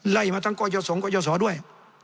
ไล่มาทั้งกรยสงค์กรยสอด้วย